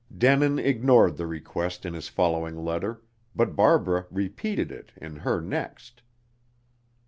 Denin ignored the request in his following letter, but Barbara repeated it in her next.